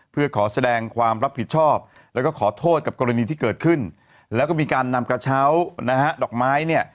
เพื่อขอแสดงความรับผิดชอบแล้วก็ขอโทษกับกรณีที่เกิดขึ้นแล้วก็มีการนำกระเช้านะฮะดอกไม้เนี่ย